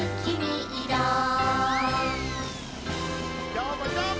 どーもどーも！